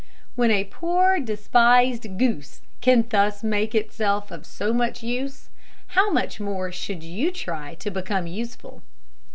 When a poor despised goose can thus make itself of so much use, how much more should you try to become useful.